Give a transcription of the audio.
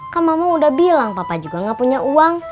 kan mama udah bilang papa juga gak punya uang